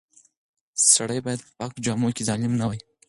سړی باید په پاکو جامو کې ظالم نه وای.